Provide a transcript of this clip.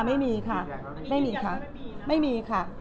ไม่มีค่ะ